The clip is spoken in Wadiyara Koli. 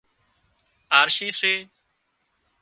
آرشِي سي